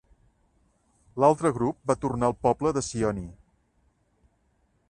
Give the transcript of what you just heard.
L'altre grup va tornar al poble de Sioni.